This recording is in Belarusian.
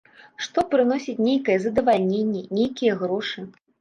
Што прыносіць нейкае задавальненне, нейкія грошы.